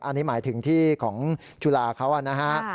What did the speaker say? อันนี้หมายถึงที่ของจุฬาเขานะฮะ